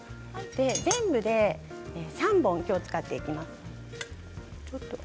全部で３本きょうは使っていきます。